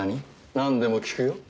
何でも聞くよ。